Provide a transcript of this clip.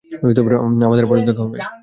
আমাদের আবারো দেখা হবে।